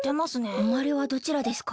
うまれはどちらですか？